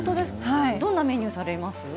どんなメニューされます？